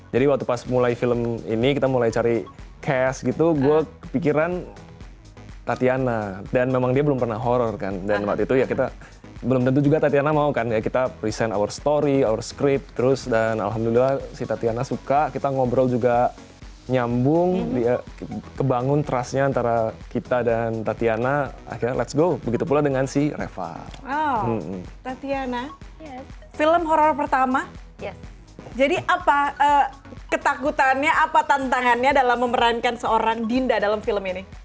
jadi apa ketakutannya apa tantahannya dalam memerankan seorang dinda dalam film ini